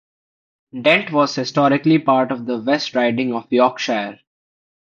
Dent was historically part of the West Riding of Yorkshire.